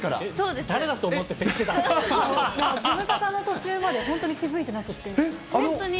でもズムサタの途中まで本当に気付いてなくって、本当に。